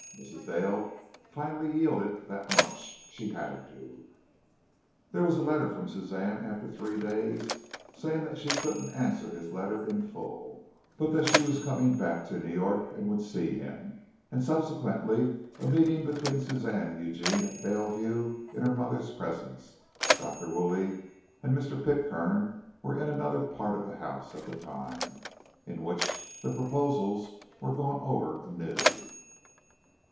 Mrs. Dale finally yielded that much. She had to. There was a letter from Suzanne after three days, saying that she couldn't answer his letter in full, but that she was coming back to New York and would see him, and subsequently a meeting between Suzanne and Eugene at Daleview in her mother's presence Dr. Woolley and Mr. Pitcairn were in another part of the house at the time in which the proposals were gone over anew.